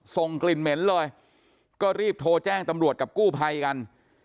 ส่งกลิ่นเหม็นเลยก็รีบโทรแจ้งตำรวจกับกู้ภัยกัน